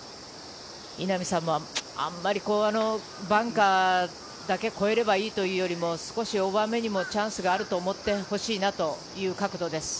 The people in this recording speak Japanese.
稲見さんも、あんまりバンカーだけ越えればいいというより少しオーバーめにもチャンスがあると思ってほしいなという角度です。